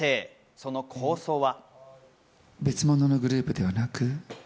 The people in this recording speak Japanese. その構想は。